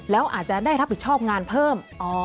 แล้วอาจจะได้รับผิดชอบงานเพิ่ม